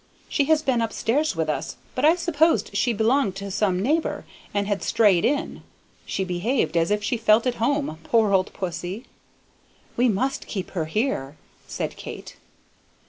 "She has been up stairs with us, but I supposed she belonged to some neighbor, and had strayed in. She behaved as if she felt at home, poor old pussy!" "We must keep her here," said Kate.